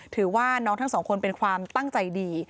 ถือว่าน้องทั้งสองคนเป็นความตั้งใจดี